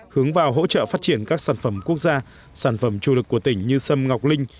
hướng vào hỗ trợ phát triển các sản phẩm quốc gia sản phẩm chủ lực của tỉnh như sâm ngọc linh